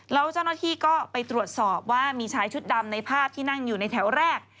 แล้วเจ้าหน้าที่ก็ไปตรวจสอบว่ามีชายชุดดำในภาพที่นั่งอยู่ในแถวแรก